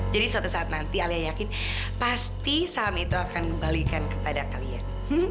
jadi suatu saat nanti alia yakin pasti saham itu akan kembalikan kepada kalian